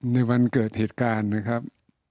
ในวันเกิดเหตุการณ์นะครับ